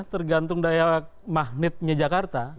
tergantung daya magnetnya jakarta